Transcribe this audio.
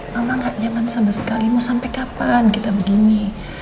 mama gak jangan sama sekali mau sampai kapan kita begini